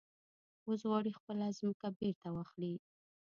اوس غواړي خپله ځمکه بېرته واخلي.